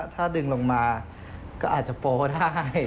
ถ้าดึงลงมาก็อาจจะโป๊ได้